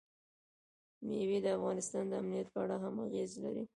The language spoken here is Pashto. مېوې د افغانستان د امنیت په اړه هم اغېز لري.